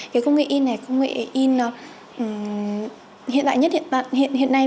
cái công nghệ in này là công nghệ in hiện đại nhất hiện nay